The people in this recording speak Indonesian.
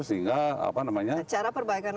sehingga apa namanya cara perbaikan